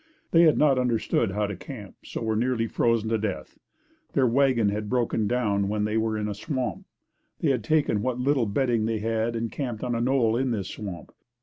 They had not understood how to camp so were nearly frozen to death. Their wagon had broken down when they were in a swamp. They had taken what little bedding they had and camped on a knoll in this swamp.